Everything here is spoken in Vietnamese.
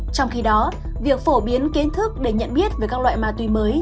trong khi đó việc phổ biến kiến thức để nhận biết về các loại ma túy mới